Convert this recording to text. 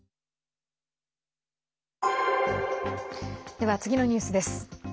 では、次のニュースです。